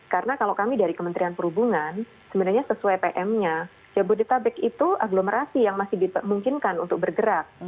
karena kalau kami dari kementerian perhubungan sebenarnya sesuai pm nya jabodebek itu aglomerasi yang masih dimungkinkan untuk bergerak